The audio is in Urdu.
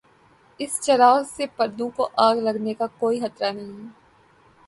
اس چراغ سے پردوں کو آگ لگنے کا کوئی خطرہ نہیں۔